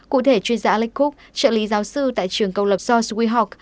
cụ thể chuyên gia alex cook trợ lý giáo sư tại trường công lập george weahawk